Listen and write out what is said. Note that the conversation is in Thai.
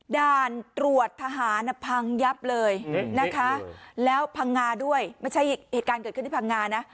ด่านตรวจทหารพังยับเลยนะคะแล้วพังงาด้วยไม่ใช่เหตุการณ์เกิดขึ้นที่พังงานะ